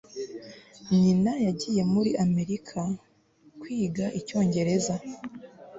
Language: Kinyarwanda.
nyina yagiye muri amerika kwiga icyongereza